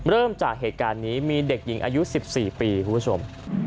เริ่มจากเหตุการณ์นี้มีเด็กหญิงอายุ๑๔ปีคุณผู้ชม